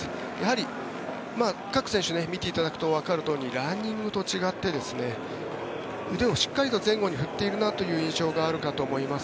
やはり各選手見ていただくとわかるとおりにランニングと違って腕をしっかりと前後に振っているなという印象があるかと思います。